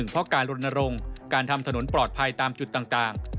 เพราะการลนรงค์การทำถนนปลอดภัยตามจุดต่าง